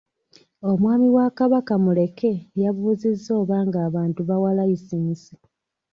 Omwami wa Kabaka Muleke yabuuzizza oba nga abantu bawa layisinsi.